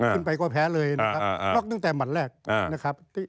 ขึ้นไปก็แพ้เลยนะครับลดตั้งแต่วันแรกนะครับ